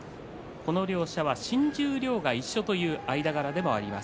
この両者は新十両が一緒という間柄でもあります。